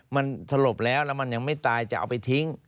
มันสลบแล้วแล้วมันยังไม่ตายจะเอาไปทิ้ง